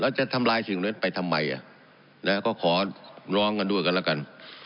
แล้วจะทำลายสิ่งนั้นไปทำไมก็ขอร้องกันด้วยกันแล้วกัน